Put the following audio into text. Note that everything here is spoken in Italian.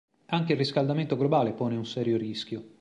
Anche il riscaldamento globale pone un serio rischio.